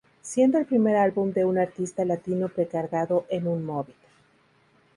Siendo el primer álbum de un artista latino pre-cargado en un móvil.